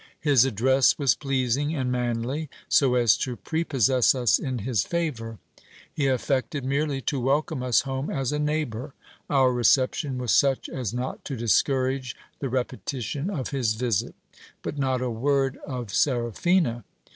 His address was pleasing and manly, so as to prepossess us in his favour. He affected merely to welcome us home as a neighbour. Our re ception was such as not to discourage the repetition of his visit ; but not a word of Seraphina